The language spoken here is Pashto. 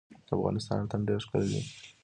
د افغانستان اتن ډیر ښکلی دی